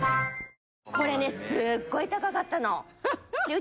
これねすっごい高かったの。